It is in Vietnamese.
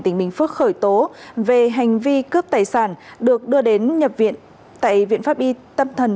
tỉnh bình phước khởi tố về hành vi cướp tài sản được đưa đến nhập viện tại viện pháp y tâm thần